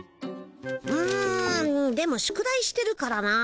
うんでも宿題してるからなあ。